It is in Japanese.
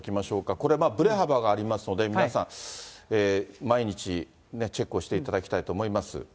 これ、ぶれ幅がありますので、皆さん、毎日、チェックをしていただきたいと思います。